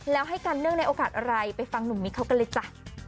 แล้วให้กันเนื่องในโอกาสอะไรไปฟังหนุ่มมิกเขากันเลยจ้ะ